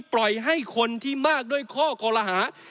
ปล่อยให้คนที่มากด้วยข้อกลหา